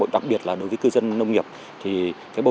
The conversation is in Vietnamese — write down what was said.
đặc biệt là đối với cư dân nông nghiệp